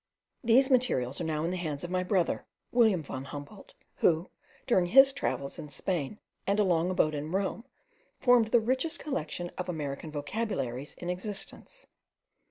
These materials are now in the hands of my brother, William von Humboldt, who, during his travels in Spain, and a long abode at Rome, formed the richest collection of American vocabularies in existence.